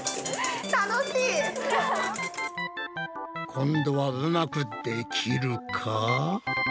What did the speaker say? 今度はうまくできるか？